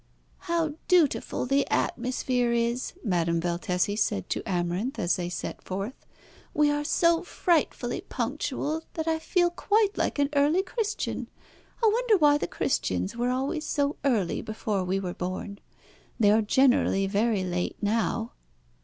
"How dutiful the atmosphere is!" Madame Valtesi said to Amarinth as they set forth. "We are so frightfully punctual that I feel quite like an early Christian. I wonder why the Christians were always so early before we were born? They are generally very late now."